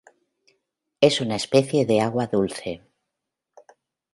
Es una especie de agua dulce.